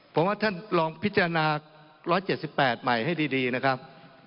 ผมว่าท่านลองพิจารณา๑๗๘ใหม่ให้ดีนะครับ